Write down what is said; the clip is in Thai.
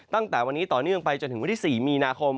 ตั้งแต่วันนี้ต่อเนื่องไปจนถึงวันที่๔มีนาคม